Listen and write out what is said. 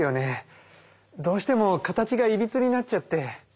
どうしても形がいびつになっちゃって。